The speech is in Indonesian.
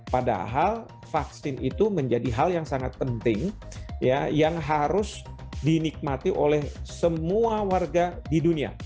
padahal vaksin itu menjadi hal yang sangat penting yang harus dinikmati oleh semua warga di dunia